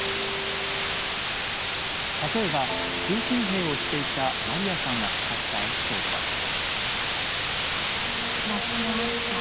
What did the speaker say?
例えば、通信兵をしていたマリヤさんが語ったエピソードは。